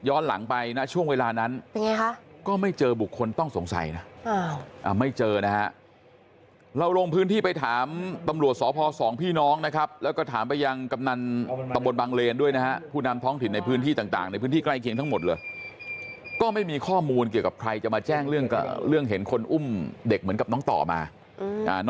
ย้อนหลังไปนะช่วงเวลานั้นเป็นไงค่ะก็ไม่เจอบุคคลต้องสงสัยอ่า